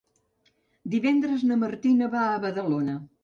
Divendres na Martina va a Badalona.